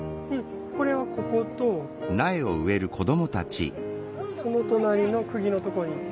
これはこことその隣のくぎのところにできる？